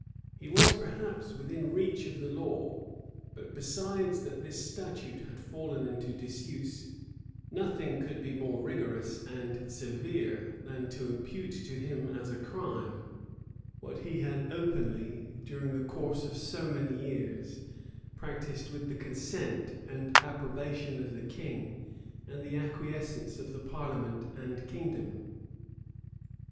He was perhaps within reach of the law but besides that this statute had fallen into disuse, nothing could be more rigorous and severe than to impute to him as a crime what he had openly, during the course of so many years, practised with the consent and approbation of the and the acquiescence of the parliament and kingdom.